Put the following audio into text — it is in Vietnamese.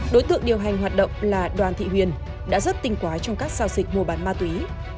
đối tượng điều hành hoạt động là đoàn thị huyền đã rất tinh quái trong các giao dịch mua bán ma túy